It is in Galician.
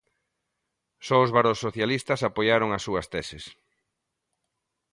Só os baróns socialistas apoiaron as súas teses.